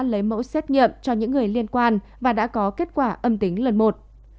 lấy mẫu xét nghiệm cho những người liên quan và đã có kết quả âm tính lần một